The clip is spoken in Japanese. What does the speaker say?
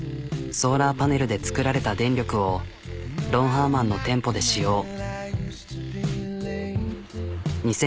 ソーラーパネルで作られた電力をロンハーマンの店舗で使用。